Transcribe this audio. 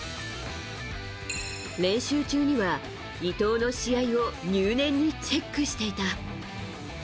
練習中には伊藤の試合を入念にチェックしていた。